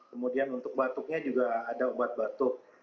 kemudian untuk batuknya juga ada obat batuk